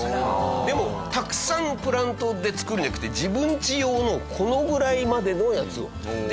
でもたくさんプラントで作るんじゃなくて自分んち用のこのぐらいまでのやつを。